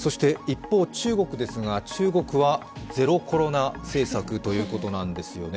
一方、中国はゼロ・コロナ政策ということなんですよね。